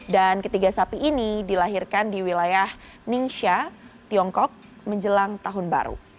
dan ketiga sapi ini dilahirkan di wilayah ningxia tiongkok menjelang tahun baru